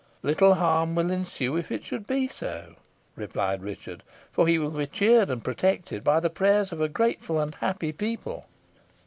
"Little harm will ensue if it should be so," replied Richard; "for he will be cheered and protected by the prayers of a grateful and happy people."